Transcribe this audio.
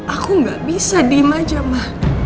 aku gak bisa dima aja ma